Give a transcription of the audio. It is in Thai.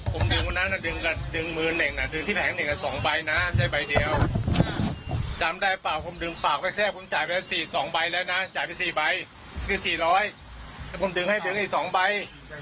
ส่วนตาตัวจะทำให้ดึงอีก๒ใบ